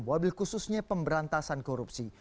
wabil khususnya pemberantasan korupsi